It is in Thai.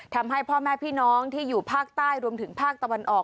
ทำให้พ่อแม่พี่น้องที่อยู่ภาคใต้รวมถึงภาคตะวันออก